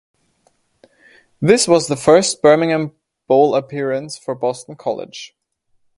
This was the first Birmingham Bowl appearance for Boston College.